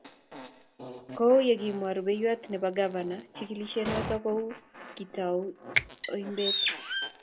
Kou ye kimwa rubeiwot ne bo kvana, chikilishe noto ko kitou oimbeet.